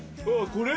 これ？